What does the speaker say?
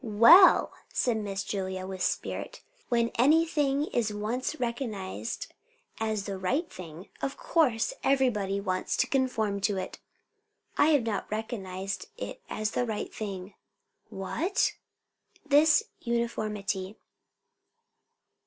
"Well," said Miss Julia, with spirit, "when anything is once recognized as the right thing, of course everybody wants to conform to it." "I have not recognized it as the right thing." "What?" "This uniformity."